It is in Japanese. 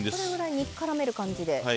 これぐらい煮からめる感じで。